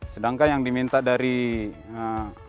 sedangkan yang diminta ya saya